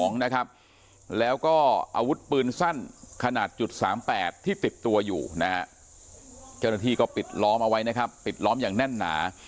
เจ้าหน้าที่ก็ปิดล้อมเอาไว้นะครับปิดล้อมอย่างแน่นหนา